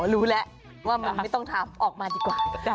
รู้แล้วว่ามันไม่ต้องทำออกมาดีกว่า